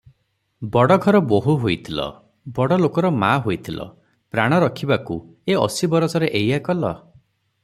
ବଡ଼ଘର ବୋହୂ ହୋଇଥିଲ ବଡ଼ଲୋକର ମା' ହୋଇଥିଲ, ପ୍ରାଣ ରଖିବାକୁ ଏ ଅଶୀବରଷରେ ଏଇଆ କଲ?